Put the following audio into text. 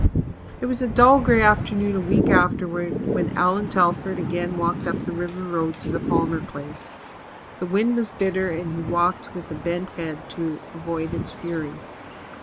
It was a dull grey afternoon a week afterwards when Allan Telford again walked up the river road to the Palmer place. The wind was bitter and he walked with bent head to avoid its fury.